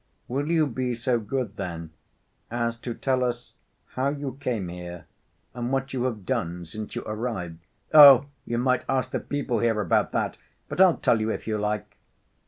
"Will you be so good then as to tell us how you came here and what you have done since you arrived?" "Oh! you might ask the people here about that. But I'll tell you if you like."